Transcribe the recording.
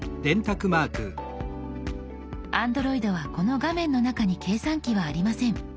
Ａｎｄｒｏｉｄはこの画面の中に計算機はありません。